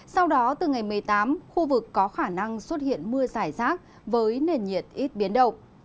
sau đó từ ngày một mươi tám khu vực có khả năng xuất hiện mưa giải rác với nền nhiệt ít biến động